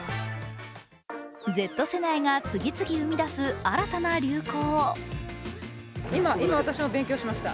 Ｚ世代が次々生み出す新たな流行。